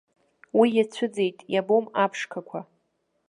Уи иацәыӡит, иабом аԥшқақәа.